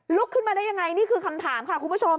ขึ้นมาได้ยังไงนี่คือคำถามค่ะคุณผู้ชม